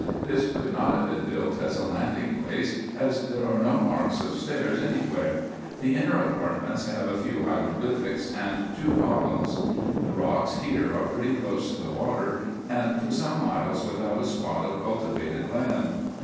This could not have been built as a landing place, as there are no marks of stairs any where. The inner apart ments have a few hieroglyphics, and two columns. The rocks here are pretty close to the water, and for some miles without a spot of cultivated land.